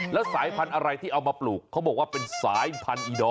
แล้วสายพันธุ์อะไรที่เอามาปลูกเขาบอกว่าเป็นสายพันธีดอ